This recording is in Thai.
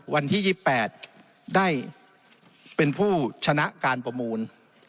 วันที่๒๘ได้เป็นผู้ชนะการประมูล